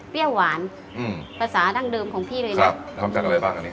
หวานอืมภาษาดั้งเดิมของพี่เลยนะครับทำจากอะไรบ้างอันนี้